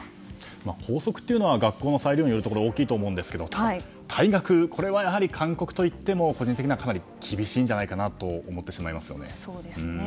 校則というのは学校の裁量によるところが大きいと思いますが退学は、勧告といっても個人的にはかなり厳しいんじゃないかなと思ってしまいますね。